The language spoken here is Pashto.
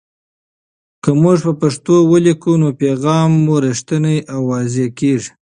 که موږ په پښتو ولیکو، نو پیغام مو رښتینی او واضح کېږي.